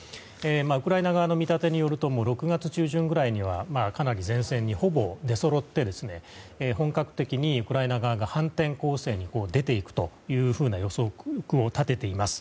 ウクライナ側の見立てによると６月中旬ぐらいにはかなり前線にほぼ出そろって本格的にウクライナ側が反転攻勢に出て行くというふうな予測も立てています。